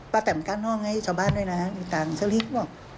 พระแต่มกั้นห้องให้ชาวบ้านด้วยนะมีเงินเชอรี่บอก